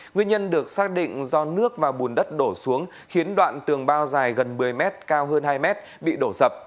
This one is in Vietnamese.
nguyên nhân được xác định do nước và bùn đất đổ xuống khiến đoạn tường bao dài gần một mươi mét cao hơn hai mét bị đổ sập